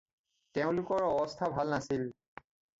তেওঁলোকৰ অৱস্থা ভাল নাছিল।